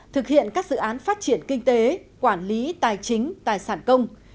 thực hiện các dự án phát triển kinh tế quản lý tài chính tài sản công